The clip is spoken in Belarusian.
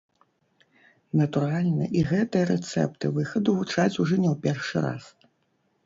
Натуральна, і гэтыя рэцэпты выхаду гучаць ужо не ў першы раз.